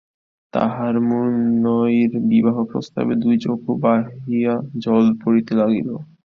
তাহার মৃন্ময়ীর বিবাহপ্রস্তাবে দুই চক্ষু বহিয়া জল পড়িতে লাগিল।